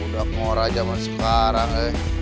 udah ngora zaman sekarang ya